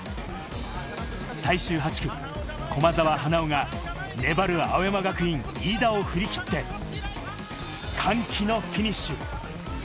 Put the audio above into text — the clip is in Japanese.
最終８区、駒澤・花尾が粘るや、青山学院・飯田を振り切って、歓喜のフィニッシュ。